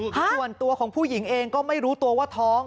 ส่วนตัวของผู้หญิงเองก็ไม่รู้ตัวว่าท้อง